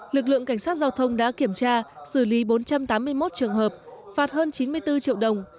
lực lượng cảnh sát giao thông đã kiểm tra xử lý bốn trăm tám mươi một trường hợp phạt hơn chín mươi bốn triệu đồng